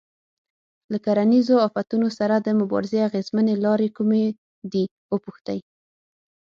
له کرنیزو آفتونو سره د مبارزې اغېزمنې لارې کومې دي وپوښتئ.